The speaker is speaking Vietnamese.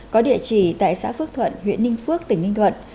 có địa chỉ tại xã phước thuận huyện ninh phước tỉnh ninh thuận